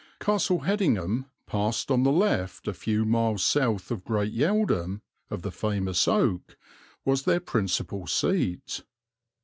Castle Hedingham, passed on the left a few miles south of Great Yeldham of the famous oak, was their principal seat.